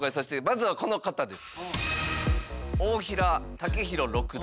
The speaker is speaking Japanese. まずはこの方です。